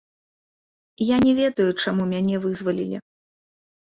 Я не ведаю, чаму мяне вызвалілі.